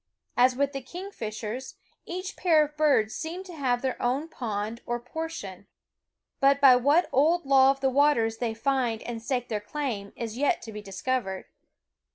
As with the kingfishers, each pair of birds seem to have their own pond or por tion ; but by what old law of the waters they find and stake their claim is yet to be dis covered.